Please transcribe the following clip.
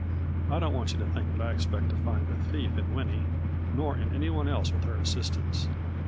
I don't want you to think that I expect to find the thief in Winnie, nor in any one else with her assistance.